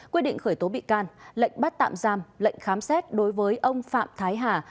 quyết định khởi tố bị can lệnh bắt tạm giam lệnh khám xét đối với ông phạm thái hà